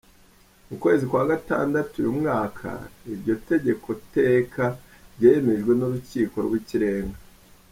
Mu kwezi kwa gatandatu uyu mwaka, iryo tegeko-teka ryemejwe n'urukiko rw'ikirenga.